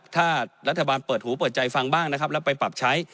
ถ้ารัฐบาลเปิดหูเปิดใจฟังบ้างนะครับแล้วไปปรับใช้